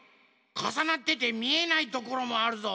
かさなっててみえないところもあるぞ。